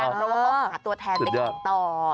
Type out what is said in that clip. แล้วเขาหาตัวแทนได้กันต่อ